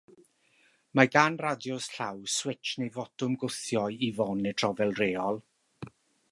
Mae gan radios llaw switsh neu fotwm gwthio i fonitro fel rheol.